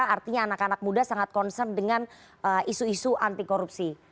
artinya anak anak muda sangat concern dengan isu isu anti korupsi